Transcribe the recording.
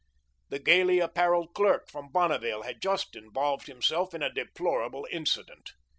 The gayly apparelled clerk from Bonneville had just involved himself in a deplorable incident.